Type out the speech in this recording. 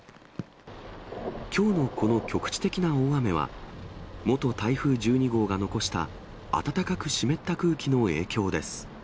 きょうのこの局地的な大雨は、元台風１２号が残した、暖かく湿った空気の影響です。